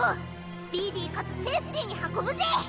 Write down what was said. スピーディーかつセーフティーに運ぶぜ。